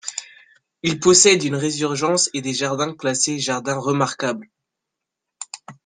Il possède une résurgence et des jardins classés Jardin remarquable.